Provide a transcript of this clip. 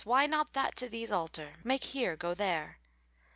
* Why not that to these alter, make here go there?